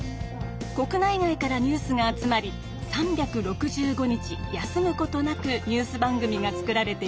国内外からニュースが集まり３６５日休むことなくニュース番組が作られています。